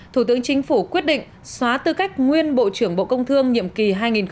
thủ tướng chính phủ quyết định xóa tư cách nguyên bộ trưởng bộ công thương nhiệm kỳ hai nghìn một mươi một hai nghìn một mươi sáu